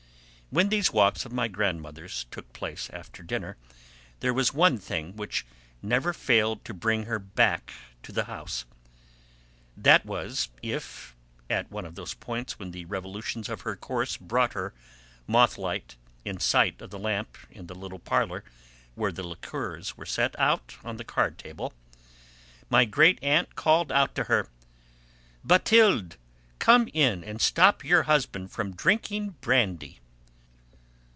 When these walks of my grandmother's took place after dinner there was one thing which never failed to bring her back to the house: that was if (at one of those points when the revolutions of her course brought her, moth like, in sight of the lamp in the little parlour where the liqueurs were set out on the card table) my great aunt called out to her: "Bathilde! Come in and stop your husband from drinking brandy!"